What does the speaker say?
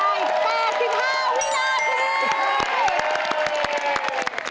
เวลาไป๘๕วินาที